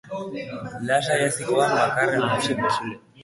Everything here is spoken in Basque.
Lasai ez zihoan bakarra nintzen.